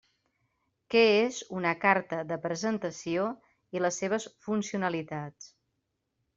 Què és una carta de presentació i les seves funcionalitats.